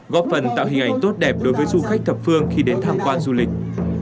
góp phần tạo hình ảnh tốt đẹp đối với du khách thập phương khi đến tham quan du lịch